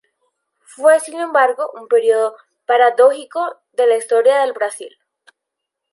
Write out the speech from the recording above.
Fue, sin embargo, un período paradójico de la Historia del Brasil.